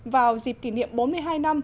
vào dịp kỷ niệm bốn mươi hai năm